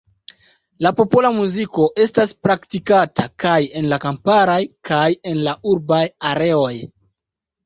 La popola muziko estas praktikata kaj en kamparaj kaj en urbaj areoj.